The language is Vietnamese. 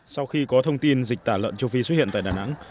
sau khi có thông tin dịch tả lợn châu phi xuất hiện tại đà nẵng